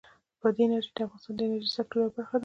بادي انرژي د افغانستان د انرژۍ د سکتور یوه برخه ده.